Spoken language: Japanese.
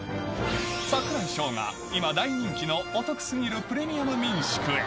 櫻井翔が今、大人気のお得すぎるプレミアム民宿へ。